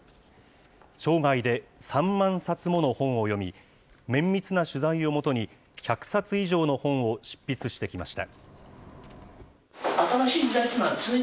生涯で３万冊もの本を読み、綿密な取材をもとに、１００冊以上の本を執筆してきました。